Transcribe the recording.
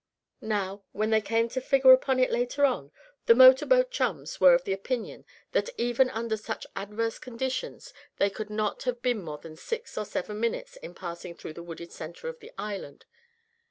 Now, when they came to figure upon it later on, the motor boat chums were of the opinion that even under such adverse conditions they could not have been more than six or seven minutes in passing through the wooded center of the island.